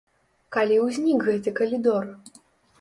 Калі ўзнік гэты калідор?